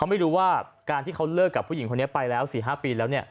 ไม่รู้ว่าการที่เขาเลิกกับผู้หญิงคนนี้ไปแล้ว๔๕ปีแล้ว